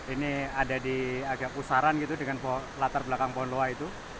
ini ada di agak pusaran gitu dengan latar belakang pohon loa itu